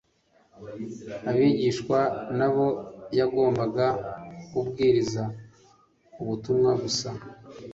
abigishwa n'abo yagombaga kubwiriza ubutumwa gusa,